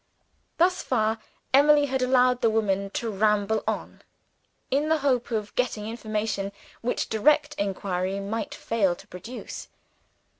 Thus far, Emily had allowed the woman to ramble on, in the hope of getting information which direct inquiry might fail to produce.